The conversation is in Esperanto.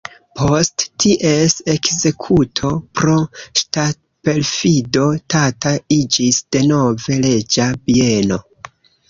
Post ties ekzekuto pro ŝtatperfido Tata iĝis denove reĝa bieno.